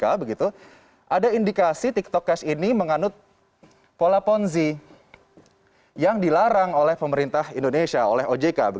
ada indikasi tiktok cash ini menganut pola ponzi yang dilarang oleh pemerintah indonesia oleh ojk